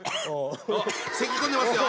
せきこんでますよ！